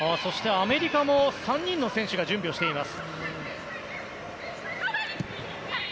アメリカも３人の選手が準備をしています。